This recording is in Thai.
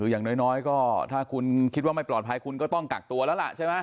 อย่างน้อยก็ถ้าคุณคิดว่าไม่ปลอดภัยคุณก็ต้องกักตัวแล้วล่ะใช่ไหม